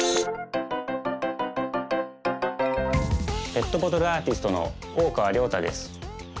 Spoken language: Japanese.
ペットボトルアーティストの大川良太です。